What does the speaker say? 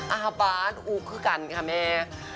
อ้าวป๊าอุกก็กันนะคะแม่